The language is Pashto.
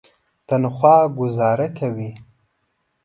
تنخوا ګوزاره کوي.